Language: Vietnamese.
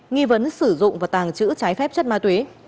nghi vấn sử dụng và tàng trữ trái phép chất ma túy